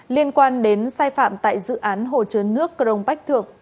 liên quan đến sai phạm tại dự án hồ chứa nước crong bách thượng